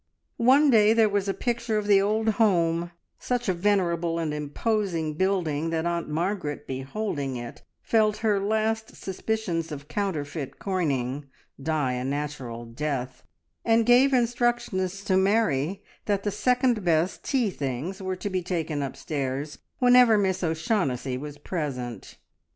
One day there was a picture of the old home such a venerable and imposing building that Aunt Margaret, beholding it, felt her last suspicions of counterfeit coining die a natural death, and gave instructions to Mary that the second best tea things were to be taken upstairs whenever Miss O'Shaughnessy was present.